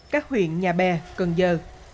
các huyện nhà bè cần dơ